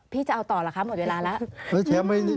จะเอาต่อเหรอคะหมดเวลาแล้ว